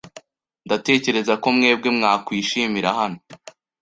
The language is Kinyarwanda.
Ndatekereza ko mwebwe mwakwishimira hano.